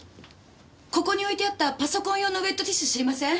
ここに置いてあったパソコン用のウエットティッシュ知りません？